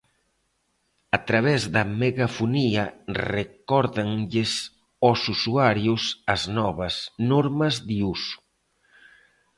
A través da megafonía, recórdanlles aos usuarios as novas normas de uso.